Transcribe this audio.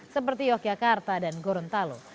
seperti yogyakarta dan gorontalo